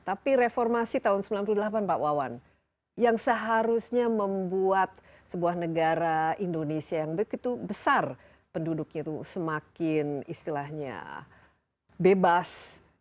tapi reformasi tahun sembilan puluh delapan pak wawan yang seharusnya membuat sebuah negara indonesia yang begitu besar penduduknya itu semakin istilahnya bebas